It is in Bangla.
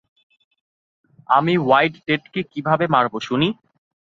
আমি হোয়াইট ডেথকে কীভাবে মারবো শুনি?